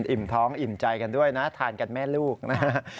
อิ่มท้องอิ่มใจกันด้วยนะทานกันแม่ลูกนะฮะ